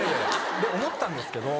で思ったんですけど